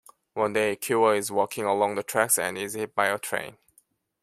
One day Ikuo is walking along the tracks and is hit by a train.